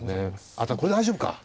あっこれ大丈夫か。